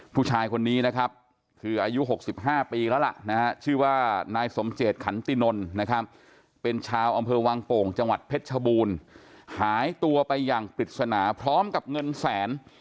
ผู้ชายคนนี้นะครับคืออายุ๖๕ปีแล้วล่ะนะฮะชื่อว่านายสมเจตขันตินนนะครับเป็นชาวอำเภอวังโป่งจังหวัดเพชรชบูรณ์หายตัวไปอย่างปริศนาพร้อมกับเงินแสน